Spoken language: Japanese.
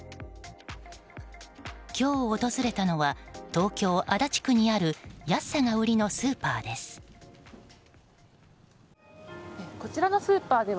今日訪れたのは東京・足立区にある安さが売りのスーパーです。